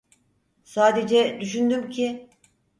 Sadece düşündüm ki…